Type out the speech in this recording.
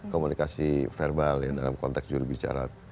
komunikasi verbal ya dalam konteks jurubicara